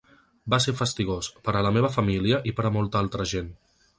Va ser fastigós, per a la meva família i per a molta altra gent.